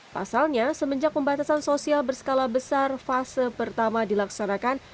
pasalnya semenjak pembatasan sosial berskala besar fase pertama dilaksanakan